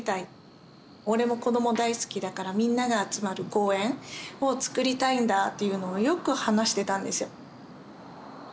俺も子ども大好きだからみんなが集まる公園をつくりたいんだっていうのをよく話してたんですよ。